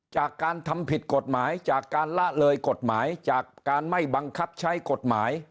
จากการทำผิดกฎหมายจากการละเลยกฎหมายจากการไม่บังคับใช้กฎหมาย